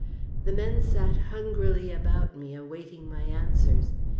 The men sat hungrily about me awaiting my answers.